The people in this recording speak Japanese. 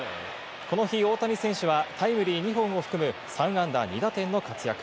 この日、大谷選手はタイムリー、２本を含む３安打２打点の活躍。